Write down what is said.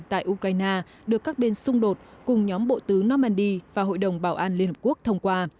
tại ukraine được các bên xung đột cùng nhóm bộ tứ normandy và hội đồng bảo an liên hợp quốc thông qua